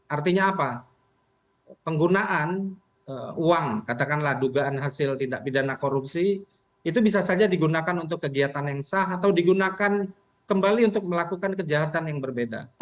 artinya apa penggunaan uang katakanlah dugaan hasil tidak pidana korupsi itu bisa saja digunakan untuk kegiatan yang sah atau digunakan kembali untuk melakukan kejahatan yang berbeda